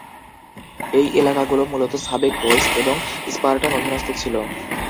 এই এলাকাগুলো মূলত সাবেক কোলস এবং স্পার্টান অধীনস্থ ছিল।